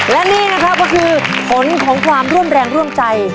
และนี่นะครับก็คือผลของความร่วมแรงร่วมใจ